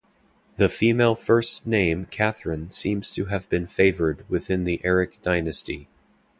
The female first name Catherine seems to have been favored within the Erik dynasty.